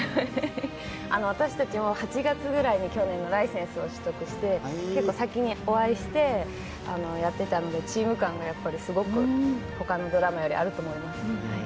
私たちも去年の８月ぐらいにライセンスを取得して結構先にお会いしてやっていたので、チーム感がすごくほかのドラマよりあると思います。